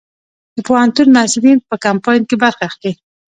د پوهنتون محصلین په کمپاین کې برخه اخلي؟